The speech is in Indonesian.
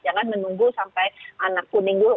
jangan menunggu sampai anak kuning dulu